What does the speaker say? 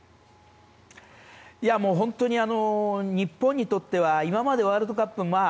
本当に日本にとっては今までワールドカップ